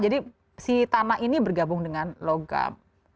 jadi si tanah ini bergabung dengan logam